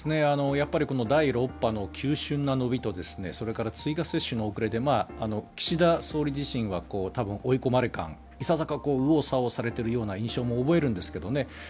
やっぱりこの第６波の急しゅんな伸びとそれから追加接種の遅れで岸田総理自身は追い込まれ感いささか右往左往されているような印象も覚えるんですけどね。